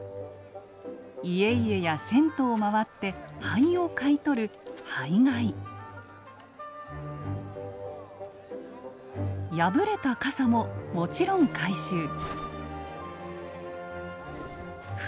家々や銭湯を回って灰を買い取る破れた傘ももちろん回収。